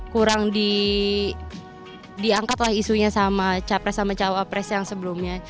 kurang diangkatlah isunya sama capres sama cawapres yang sebelumnya